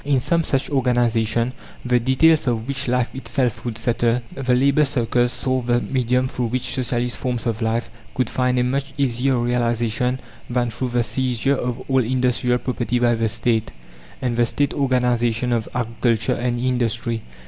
In some such organization, the details of which life itself would settle, the labour circles saw the medium through which Socialist forms of life could find a much easier realization than through the seizure of all industrial property by the State, and the State organization of agriculture and industry.